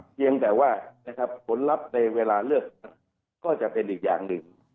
เพียงแต่ว่านะครับผลลัพธ์ในเวลาเลือกก็จะเป็นอีกอย่างหนึ่ง